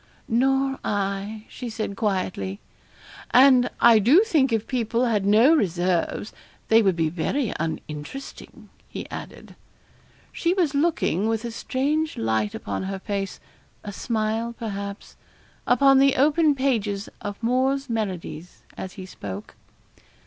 'Nor I,' she said, quietly. 'And I do think, if people had no reserves, they would be very uninteresting,' he added. She was looking, with a strange light upon her face a smile, perhaps upon the open pages of 'Moore's Melodies' as he spoke.